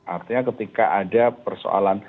artinya ketika ada persoalan